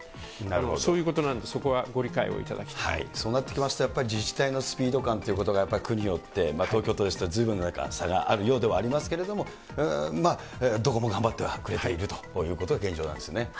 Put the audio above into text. そういうことなんで、そうなってきますと、やっぱり自治体のスピード感ということが、やっぱり区によって、東京都ですと、ずいぶん差があるようではありますけれども、まあ、どこも頑張ってはくれているということが現状なんですね。